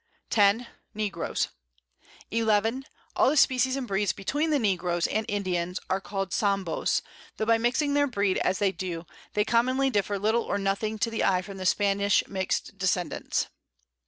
10. Negroes. 11. All the Species and Breeds between the Negroes and Indians are call'd Sambos, tho' by mixing their Breed as they do, they commonly differ little or nothing to the Eye from the Spanish mix'd Descendants.